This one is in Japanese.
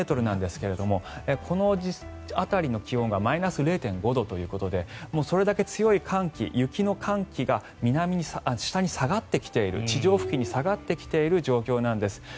２７０ｍなんですがこの辺りの気温がマイナス０．５度ということでそれだけ強い寒気、雪の寒気が下に下がってきている地上付近に下がってきている状況なんです。